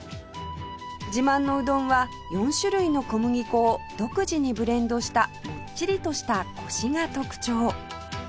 自慢のうどんは４種類の小麦粉を独自にブレンドしたもっちりとしたコシが特徴